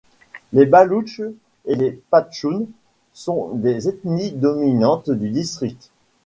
Les Baloutches et les Pachtounes sont les ethnies dominantes du district.